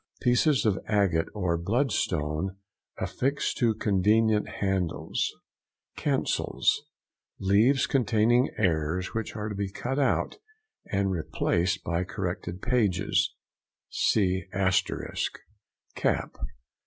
—Pieces of agate or bloodstone affixed to convenient handles. CANCELS.—Leaves containing errors which are to be cut out and replaced by corrected pages (see ASTERISK). CAP.